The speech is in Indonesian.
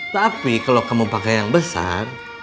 tapi kalau kamu pakai yang besar